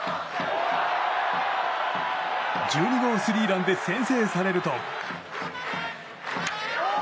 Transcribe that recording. １２号スリーランで先制されると。